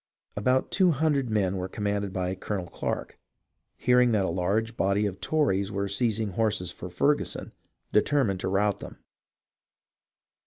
About two hundred men commanded by Colonel Clarke, hearing that a large body of Tories were seizing horses for Ferguson, determined to rout them.